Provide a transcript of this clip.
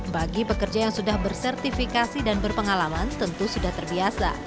bagi pekerja yang sudah bersertifikasi dan berpengalaman tentu sudah terbiasa